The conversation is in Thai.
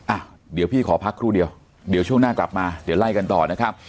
อ่ะเดี๋ยวพี่ขอพักครู่เดียวเดี๋ยวช่วงหน้ากลับมาเดี๋ยวไล่กันต่อนะครับ